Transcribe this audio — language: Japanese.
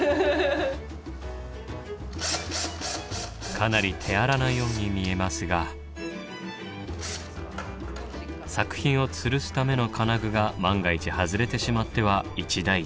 かなり手荒なように見えますが作品をつるすための金具が万が一外れてしまっては一大事。